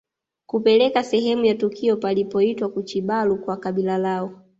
Kupeleka sehemu ya tukio palipoitwa kuchibalu kwa kabila lao